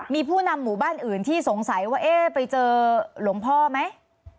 มีผู้นำหมู่บ้านอื่นที่สงสัยว่าเอ๊ะไปเจอหลวงพ่อไหม